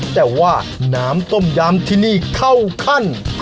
แต่ว่าน้ำต้มยำที่นี่เข้าขั้น